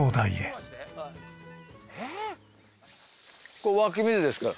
これ湧き水ですから。